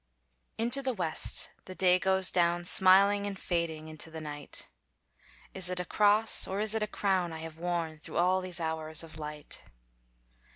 Into the west the day goes down, Smiling and fading into the night, Is it a cross, or is it a crown I have worn through all these hours of light!